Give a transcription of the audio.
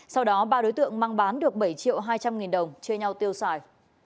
sau đó ba đối tượng mang bán được bảy triệu hai trăm linh nghìn đồng chia nhau tiêu xài